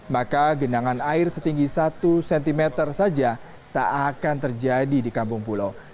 maka genangan air setinggi satu cm saja tak akan terjadi di kampung pulau